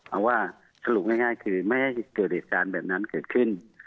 เอาว่าสรุปง่ายคือไม่ให้เกิดเหตุการณ์แบบนั้นเกิดขึ้น